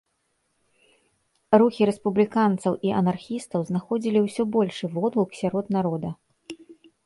Рухі рэспубліканцаў і анархістаў знаходзілі ўсё большы водгуку сярод народа.